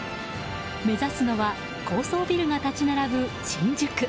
目指すのは高層ビルが立ち並ぶ新宿。